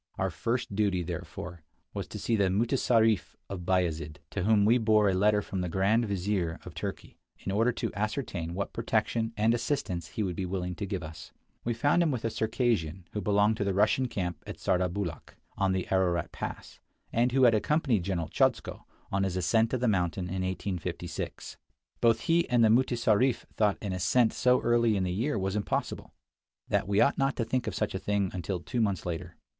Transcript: Our first duty, therefore, was to see the mutessarif of Bayazid, to whom we bore a letter from the Grand Vizir of Turkey, in order to ascertain what protection and assistance he would be willing to give us. We found with him a Circassian 46 Across Asia on a Bicycle who belonged to the Russian camp at Sardarbulakh, on the Ararat pass, and who had accompanied General Chodzko on his ascent of the mountain in 1856. Both he and the mutessarif thought an ascent so early in the year was impossible; that we ought not to think of such a thing until two months later.